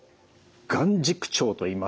眼軸長といいますと？